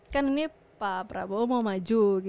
kan ini pak prabowo mau maju